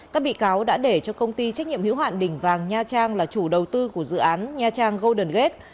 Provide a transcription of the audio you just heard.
các bị cáo đã để cho công ty trách nhiệm hữu hạn đỉnh vàng nha trang là chủ đầu tư của dự án nha trang golden gate